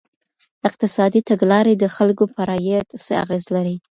اقتصادي تګلاري د خلګو پر عايد څه اغېز لري؟